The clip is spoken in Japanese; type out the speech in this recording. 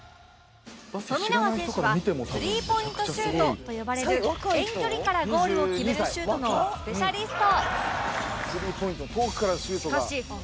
富永選手はスリーポイントシュートと呼ばれる遠距離からゴールを決めるシュートのスペシャリスト